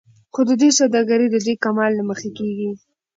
خو د دوى سوداګري د دوى د کمال له مخې کېږي